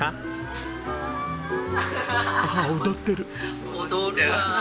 うん！ああ踊ってる！